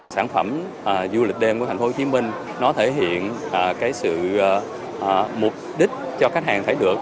sản phẩm du lịch đêm của tp hcm nó thể hiện cái sự mục đích cho khách hàng thấy được